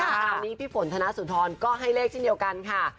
คราวนี้พี่ฝนธนสุนทรก็ให้เลขเช่นเดียวกันค่ะ